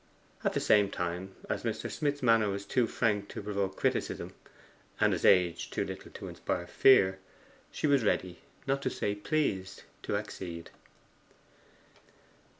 At the same time, as Mr. Smith's manner was too frank to provoke criticism, and his age too little to inspire fear, she was ready not to say pleased to accede.